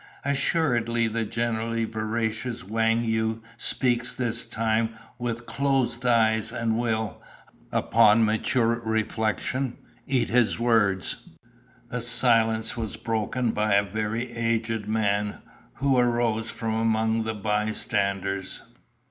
Assuredly the generally veracious Wang Yu speaks this time with closed eyes and will, upon mature reflexion, eat his words." The silence was broken by a very aged man who arose from among the bystanders.